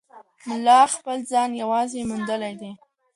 ملا خپل ځان یوازې موندلی دی.